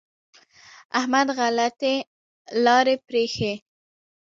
احمد غلطې لارې پرېښې.